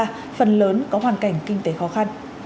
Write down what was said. phần lớn có hoàn cảnh kinh tế khó khăn